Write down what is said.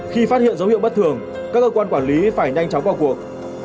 khi phát hiện dấu hiệu bất thường các cơ quan quản lý phải nhanh chóng vào cuộc